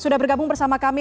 sudah bergabung bersama kami